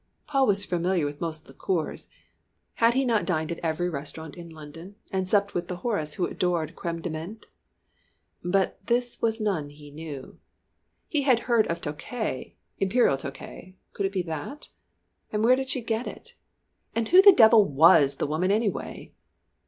Paul was familiar with most liqueurs. Had he not dined at every restaurant in London, and supped with houris who adored crême de menthe? But this was none he knew. He had heard of Tokay Imperial Tokay could it be that? And where did she get it? And who the devil was the woman, anyway?